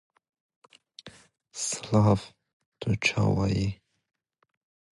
The line-up now consisted of Clarke, Arundel, McClanahan and Duboys.